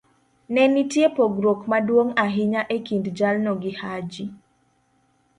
ne nitie pogruok maduong ' ahinya e kind jalno gi Haji.